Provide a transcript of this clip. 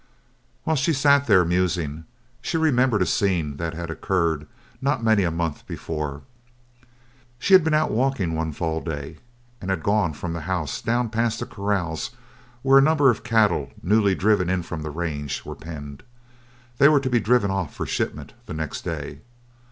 While she sat there, musing, she remembered a scene that had occurred not many a month before. She had been out walking one fall day, and had gone from the house down past the corrals where a number of cattle newly driven in from the range were penned. They were to be driven off for shipment the next day.